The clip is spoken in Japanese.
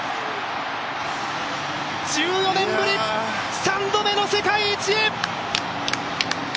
１４年ぶり、３度目の世界一。